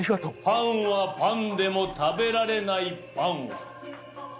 「パンはパンでも食べられないパンは？